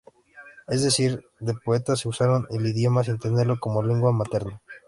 Es decir, de poetas que usaron el idioma sin tenerlo como lengua materna.